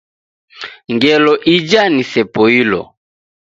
Ngelo ija nisepoilo.